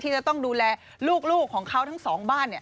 จะต้องดูแลลูกของเขาทั้งสองบ้าน